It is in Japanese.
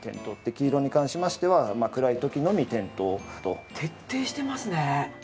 黄色に関しましては「暗い時のみ点灯」と。徹底してますね。